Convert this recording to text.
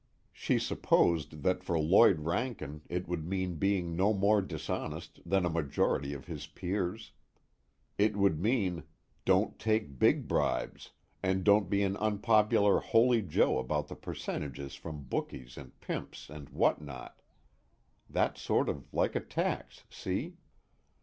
_ She supposed that for Lloyd Rankin it would mean being no more dishonest than a majority of his peers. It would mean: don't take big bribes, and don't be an unpopular holy joe about the percentages from bookies and pimps and what not: that's sort of like a tax, see?